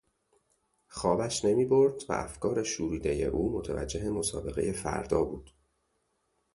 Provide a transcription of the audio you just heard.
خوابش نمیبرد و افکار شوریدهی او متوجه مسابقهی فردا بود.